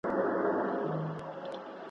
زه په ټولنه کي بشپړ عدالت غواړم.